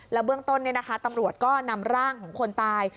แล้วเบื้องต้นเนี่ยนะคะตำรวจก็นำร่างของคนตาย